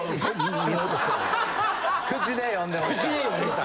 口で読んでました。